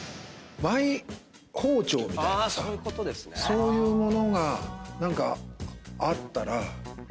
そういう物が何かあったら。